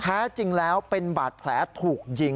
แท้จริงแล้วเป็นบาดแผลถูกยิง